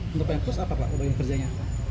untuk penkurs apa pak bagian kerjanya